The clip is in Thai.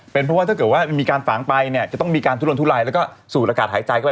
เป็นเพราะว่าถ้าเกิดว่ามีการฝังไปเนี่ยจะต้องมีการทุรนทุลายแล้วก็สูดอากาศหายใจเข้าไป